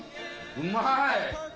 うまい。